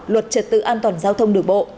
luật triệt tự an toàn giao thông đường bộ